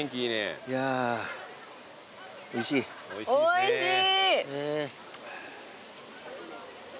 おいしい。